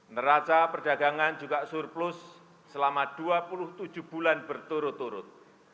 neraca perdagangan juga surplus selama dua puluh tujuh bulan berturut turut